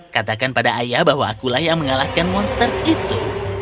katakan pada ayah bahwa akulah yang mengalahkan monster itu